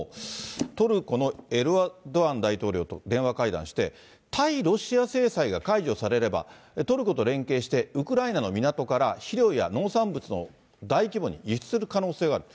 トルコのエルドアン大統領と電話会談して、対ロシア制裁が解除されれば、トルコと連携してウクライナの港から肥料や農産物の大規模に輸出する可能性がある。